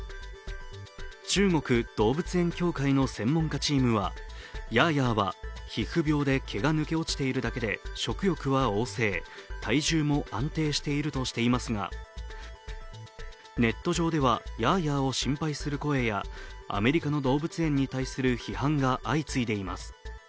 中国動物園協会の専門家チームはヤーヤーは皮膚病で毛が抜け落ちているだけで食欲は旺盛、体重も安定しているとしていますがネット上では、ヤーヤーを心配する声や、アメリカの動物園に対する批判が相次いでいます。